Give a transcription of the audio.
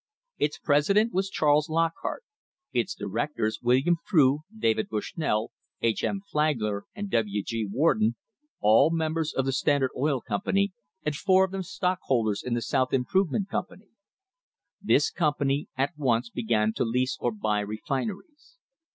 Its president was Charles Lock hart; its directors William Frew, David Bushnell, H. M. Flagler, and W. G. Warden — all members of the Standard Oil Company and four of them stockholders in the South Im provement Company. This company at once began to lease or buy refineries.